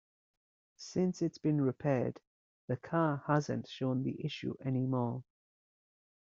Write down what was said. Since it's been repaired, the car hasn't shown the issue any more.